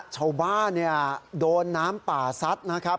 ชาวบ้านโดนน้ำป่าซัดนะครับ